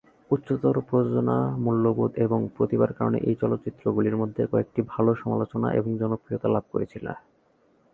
উচ্চতর প্রযোজনা মূল্যবোধ এবং প্রতিভার কারনে এই চলচ্চিত্রগুলির মধ্যে কয়েকটি ভালো সমালোচনা এবং জনপ্রিয়তা লাভ করেছিল।